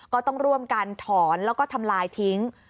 ก็ต้องร่วมกันถอนแล้วก็ทำลายทิ้ง